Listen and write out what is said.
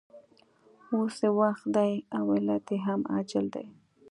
اوس یې وخت دی او علت یې هم عاجل دی